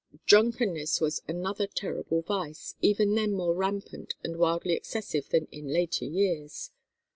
Drunkenness was another terrible vice, even then more rampant and wildly excessive than in later years.